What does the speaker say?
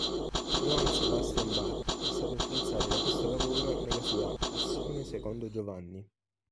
Johann Sebastian Bach è stato influenzato da questo lavoro nella sua "Passione secondo Giovanni".